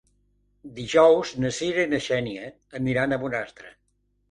Dijous na Cira i na Xènia aniran a Bonastre.